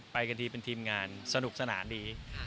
ไปกันดีเป็นทีมงานสนุกสนานดี